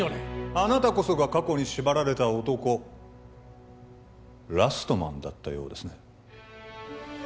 あなたこそが過去に縛られた男ラストマンだったようですね